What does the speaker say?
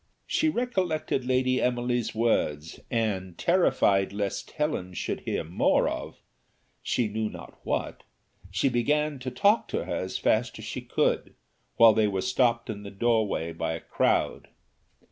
She recollected Lady Emily's words, and, terrified lest Helen should hear more of she knew not what, she began to talk to her as fast as she could, while they were stopped in the door way by a crowd.